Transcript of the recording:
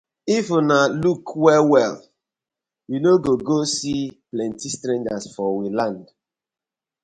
If una luuk well well uno go see plenty strangers for we land.